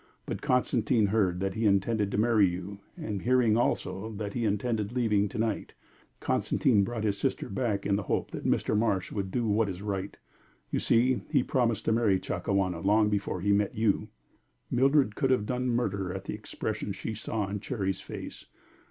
But Constantine heard that he intended to marry you, and hearing also that he intended leaving to night, Constantine brought his sister back in the hope that Mr. Marsh would do what is right. You see, he promised to marry Chakawana long before he met you." Mildred could have done murder at the expression she saw in Cherry's face.